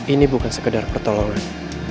ini bukan sekedar pertolongan